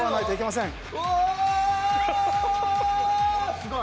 すごい。